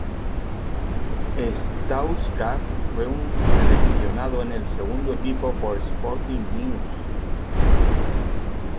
Stauskas fue un seleccionado en el segundo equipo por Sporting News.